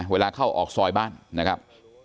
เวลาเข้าออกซอยบ้านนะครับ